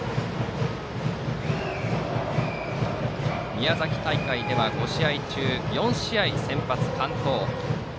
宮崎大会では５試合中４試合先発完投。